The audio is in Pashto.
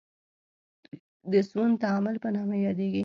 د سون تعامل په نامه یادیږي.